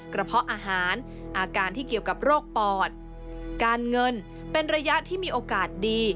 เพาะอาหารอาการที่เกี่ยวกับโรคปอดการเงินเป็นระยะที่มีโอกาสดี